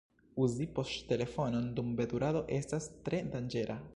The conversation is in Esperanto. Uzi poŝtelefonon dum veturado estas tre danĝera.